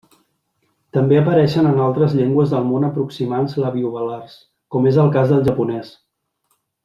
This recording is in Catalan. També apareixen en altres llengües del món aproximants labiovelars, com és el cas del japonès.